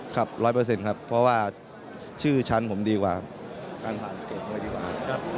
ครับร้อยเปอร์เซ็นต์ครับเพราะว่าชื่อชั้นผมดีกว่าการผ่านเกมด้วยดีกว่า